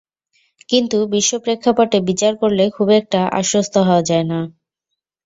কিন্তু বিশ্ব প্রেক্ষাপটে বিচার করলে খুব একটা আশ্বস্ত হওয়া যায় না।